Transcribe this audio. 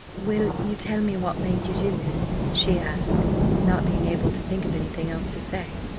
"Will you tell me what made you do this?" she asked, not being able to think of anything else to say.